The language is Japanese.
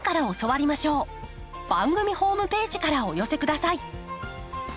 番組ホームページからお寄せください。